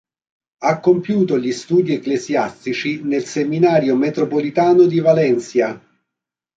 Ha compiuto gli studi ecclesiastici nel seminario metropolitano di Valencia.